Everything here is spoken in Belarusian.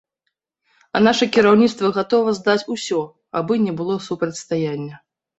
А наша кіраўніцтва гатова здаць усё, абы не было супрацьстаяння.